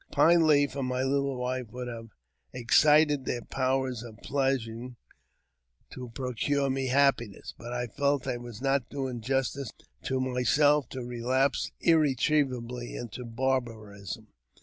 Pine Leaf and my little wife would have excited their powers of pleasing to procure me happiness ; but I felt I was not doing justice to myself to relapse irre trievably into barbarism.